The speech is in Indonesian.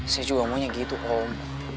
saya juga maunya gitu om